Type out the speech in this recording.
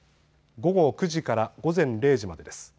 午後９時から午前０時までです。